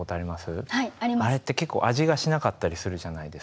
あれって結構味がしなかったりするじゃないですか。